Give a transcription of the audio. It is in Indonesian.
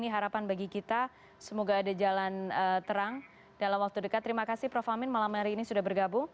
hanya dari produk prosedurnya